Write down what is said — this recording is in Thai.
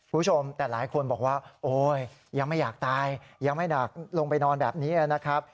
คุณผู้ชมแต่หลายคนบอกว่าโอ๊ยยังไม่อยากตายยังไม่ดักลงไปนอนแบบนี้นะครับ